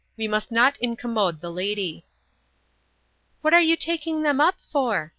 We must not incommode the lady." "What are you taking them up for?"